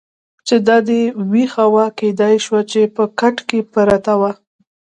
چې دا دې وېښه وه، کېدای شوه چې په کټ کې پرته وه.